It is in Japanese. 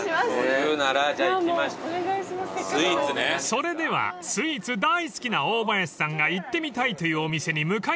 ［それではスイーツ大好きな大林さんが行ってみたいというお店に向かいましょう］